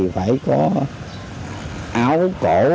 phải có áo cổ